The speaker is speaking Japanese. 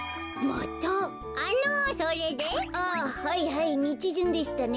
はいみちじゅんでしたね。